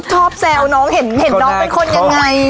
แซวน้องเห็นน้องเป็นคนยังไง